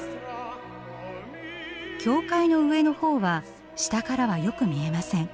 教会の上の方は下からはよく見えません。